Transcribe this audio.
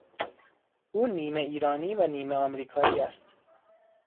او نیمه ایرانی و نیمه امریکایی است.